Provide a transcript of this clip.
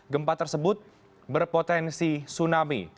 gempa tersebut berpotensi tsunami